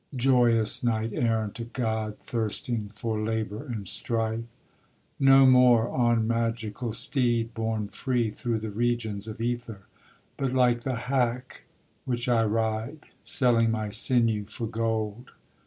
Joyous knight errant of God, thirsting for labour and strife; No more on magical steed borne free through the regions of ether, But, like the hack which I ride, selling my sinew for gold.